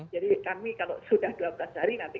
jadi kami kalau sudah dua belas hari nanti